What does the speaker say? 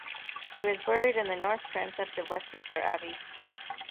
He was buried in the north transept of Westminster Abbey.